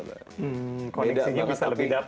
koneksinya bisa lebih dapet ya